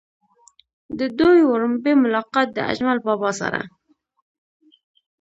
د دوي وړومبے ملاقات د اجمل بابا سره